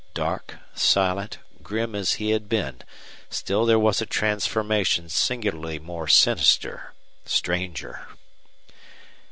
Dark, silent, grim as he had been, still there was a transformation singularly more sinister, stranger.